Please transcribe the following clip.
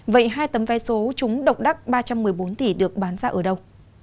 vậy hai tấm vé số chúng độc đắc ba trăm một mươi bốn tỷ được bán ra ở đâu